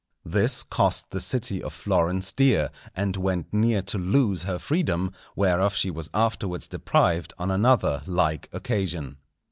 This cost the city of Florence dear, and went near to lose her freedom, whereof she was afterwards deprived on another like occasion.